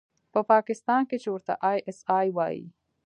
په پاکستان کښې چې ورته آى اس آى وايي.